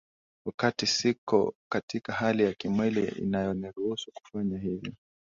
wakati siko katika hali ya kimwili inayoniruhusu kufanya hivyo